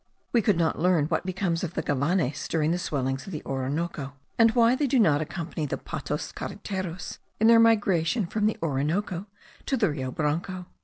We could not learn what becomes of the gavanes during the swellings of the Orinoco, and why they do not accompany the patos careteros in their migration from the Orinoco to the Rio Branco.